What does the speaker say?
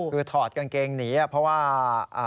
คือถอดกางเกงหนีเพราะว่า